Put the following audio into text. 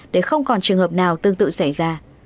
để không còn trường hợp nào tương tự xảy ra